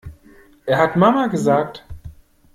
Er hat Mama gesagt!